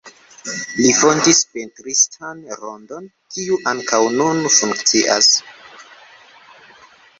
Li fondis pentristan rondon, kiu ankaŭ nun funkcias.